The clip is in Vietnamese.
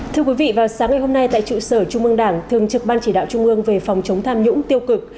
thưa quý vị vào sáng ngày hôm nay tại trụ sở trung mương đảng thường trực ban chỉ đạo trung ương về phòng chống tham nhũng tiêu cực